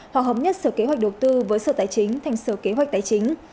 hoặc hợp nhất sở kế hoạch đầu tư với sở tài chính thành sở kế hoạch tài chính